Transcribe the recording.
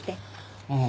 ああ。